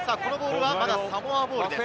まだサモアボールです。